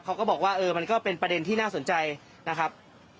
เขาก็บอกว่าเออมันก็เป็นประเด็นที่น่าสนใจนะครับ